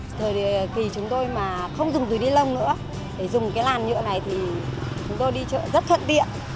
thời kỳ chúng tôi mà không dùng túi ni lông nữa để dùng cái làn nhựa này thì chúng tôi đi chợ rất thuận tiện